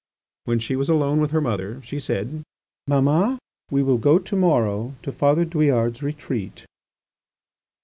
When she was alone with her mother she said: "Mamma, we will go to morrow to Father Douillard's retreat."